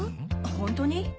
ホントに？